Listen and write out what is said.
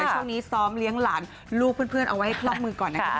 ช่วงนี้ซ้อมเลี้ยงหลานลูกเพื่อนเอาไว้ให้คล่องมือก่อนนะคะ